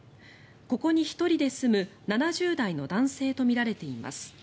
ここに１人で住む７０代の男性とみられています。